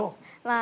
あ。